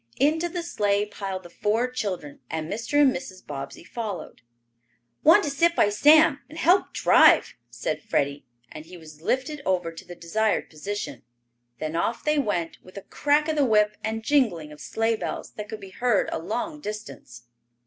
Into the sleigh piled the four children, and Mr. and Mrs. Bobbsey followed. "Want to sit by Sam and help drive," said Freddie, and he was lifted over to the desired position. Then off they went, with a crack of the whip and jingling of sleigh bells that could be heard a long distance.